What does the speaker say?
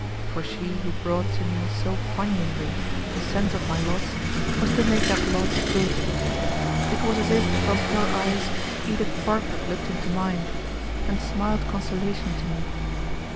For she who brought to me so poignantly the sense of my loss was to make that loss good. It was as if from her eyes Edith Bartlett looked into mine, and smiled consolation to me.